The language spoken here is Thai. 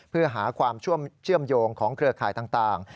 เพื่อหาความเชื่อมโยงของเครือข่ายต่าง